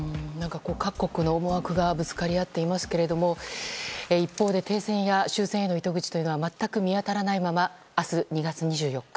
各国の思惑がぶつかり合っていますが一方で停戦や終戦への糸口は全く見当たらないまま明日、２月２４日